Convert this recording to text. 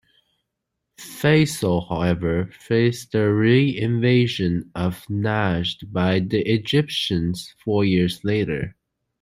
Faisal, however, faced a re-invasion of Najd by the Egyptians four years later.